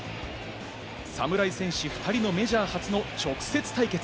侍戦士２人のメジャー初の直接対決。